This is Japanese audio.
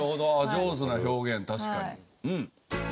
上手な表現確かに。